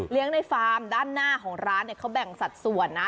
เลี้ยงในฟาร์มด้านหน้าของร้านเขาแบ่งสัตว์ส่วนนะ